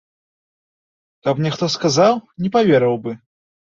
Каб мне хто сказаў, не паверыў бы.